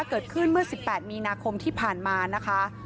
เกิดขึ้นเมื่อ๑๘มีนาคมที่ผ่านมานะคะ